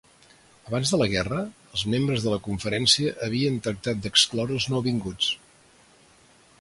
Abans de la guerra, els membres de la conferència havien tractat d'excloure als nouvinguts.